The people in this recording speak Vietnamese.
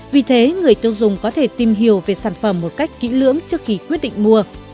vì thế người tiêu dùng có thể tìm hiểu về sản phẩm một cách kỹ lưỡng trước khi quyết định mua